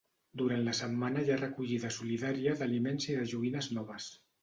Durant la setmana hi ha recollida solidària d'aliments i de joguines noves.